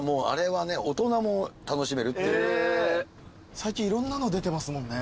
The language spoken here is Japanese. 最近いろんなの出てますもんね。